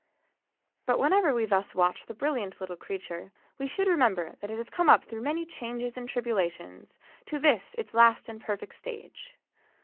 But whenever we thus watch the brilliant little creature we should remember that it has come up through many changes and tribulations to this its last and perfect stage.